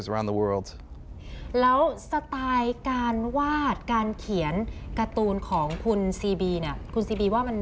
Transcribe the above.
แล้วสไตล์การวาดการเขียนการ์ตูนของคุณซีบี